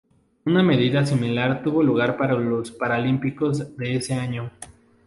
Una medida similar tuvo lugar para los Paralímpicos de ese año.